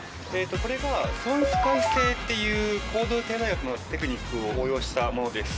これが損失回避性っていう行動経済学のテクニックを応用したものです